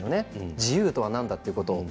自由とは何だということを。